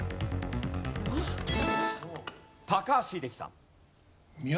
高橋英樹さん。